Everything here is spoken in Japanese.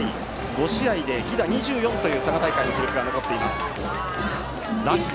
５試合で犠打２４という佐賀大会の記録が残っています。